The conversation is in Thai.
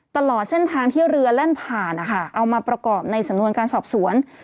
ตลอดเส้นทางที่เรือแล่นผ่านนะคะเอามาประกอบในสำนวนการสอบสวน